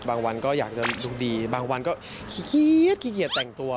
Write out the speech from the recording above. บางวันก็อยากจะดวงดีบางวันก็ขี้เกียจแต่งตัว